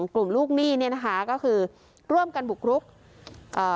กลุ่มลูกหนี้เนี้ยนะคะก็คือร่วมกันบุกรุกเอ่อ